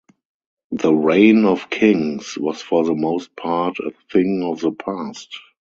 The reign of kings was for the most part a thing of the past.